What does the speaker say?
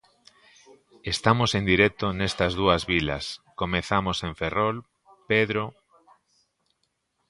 Estamos en directo nestas dúas vilas, Comezamos en Ferrol, Pedro...